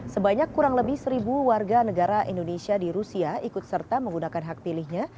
sebanyak kurang lebih seribu warga negara indonesia di rusia ikut serta menggunakan hak pilihnya